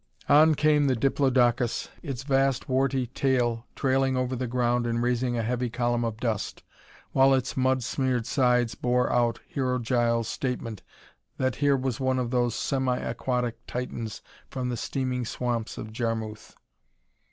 On came the diplodocus, its vast warty tail trailing over the ground and raising a heavy column of dust, while its mud smeared sides bore out Hero Giles' statement that here was one of those semi aquatic titans from the steaming swamps of Jarmuth.